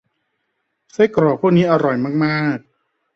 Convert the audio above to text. ไส้กรอกพวกนี้อร่อยมาก ๆ